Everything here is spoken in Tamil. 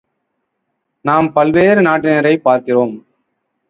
நாம் பல்வேறு நாட்டினரைப் பார்க்கிறோம்.